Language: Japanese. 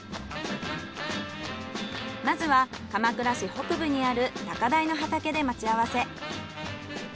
まずは鎌倉市北部にある高台の畑で待ち合わせ。